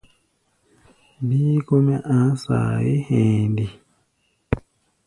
Bíí kɔ́-mɛ́ a̧a̧ saayé hɛ̧ɛ̧ nde?